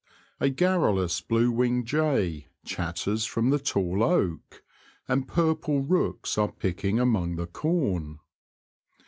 A garrulous blue winged jay chatters from the tall oak, and purple rooks are picking among the corn.